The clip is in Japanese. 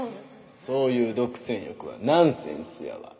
そういう独占欲はナンセンスやわ。